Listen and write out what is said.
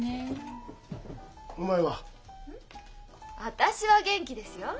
私は元気ですよ。